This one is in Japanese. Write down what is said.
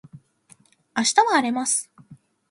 明日は荒れます